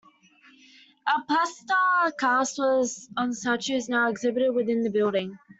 A plaster cast of the statue is now exhibited within the building.